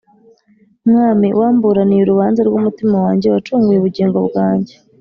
Mwami, Wamburaniye urubanza rw’umutima wanjye, Wacunguye ubugingo bwanjye!